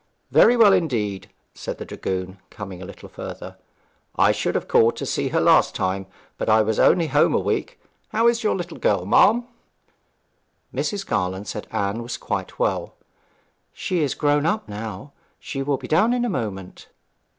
'Very well, indeed,' said the dragoon, coming in a little further. 'I should have called to see her last time, but I was only home a week. How is your little girl, ma'am?' Mrs. Garland said Anne was quite well. 'She is grown up now. She will be down in a moment.'